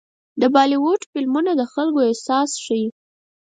د بالیووډ فلمونه د خلکو احساس ښيي.